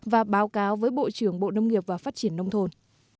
và báo cáo với bộ trưởng bộ nông nghiệp và phát triển nông thôn